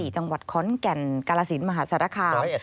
๔จังหวัดค้อนแก่นกรสินมหาศาลคาม